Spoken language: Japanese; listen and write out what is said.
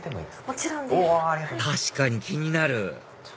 確かに気になる！